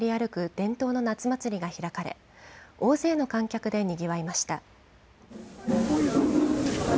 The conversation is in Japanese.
伝統の夏祭りが開かれ、大勢の観客でにぎわいました。